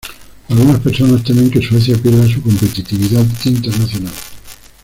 Algunas personas temen que Suecia pierda su competitividad internacional.